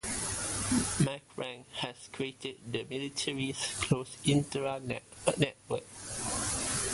Mamram has created the military's closed Intranet network.